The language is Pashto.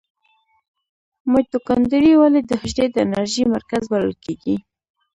مایتوکاندري ولې د حجرې د انرژۍ مرکز بلل کیږي؟